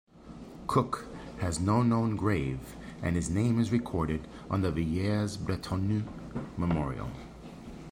Cooke has no known grave and his name is recorded on the Villers-Bretonneux Memorial.